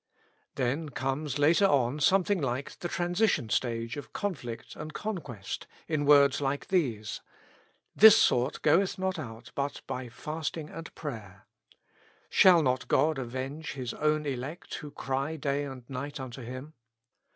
Then comes later on something like the transition stage of conflict and conquest, in words like these :" This sort goeth not out but by fasting and prayer ;"" Shall not God avenge His own elect who cry day and night unto Him?"